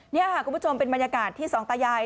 นี่ค่ะคุณผู้ชมเป็นบรรยากาศที่สองตายาย